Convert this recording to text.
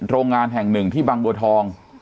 โรงงานแห่งหนึ่งที่บางบัวทอง